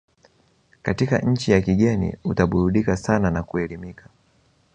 katika nchi ya kigeni utaburudika sana na kuelimika